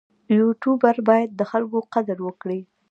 یوټوبر باید د خلکو قدر وکړي.